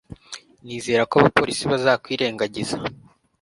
Nizera ko abapolisi bazakwirengagiza